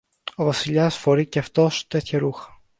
Ο Βασιλιάς φορεί και αυτός τέτοια ρούχα.